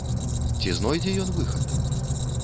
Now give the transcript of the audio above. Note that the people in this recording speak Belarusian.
Ці знойдзе ён выхад?